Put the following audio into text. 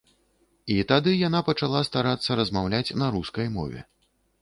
І тады яна пачала старацца размаўляць на рускай мове.